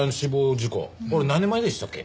これ何年前でしたっけ？